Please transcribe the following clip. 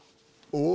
お！